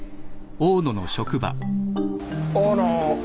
大野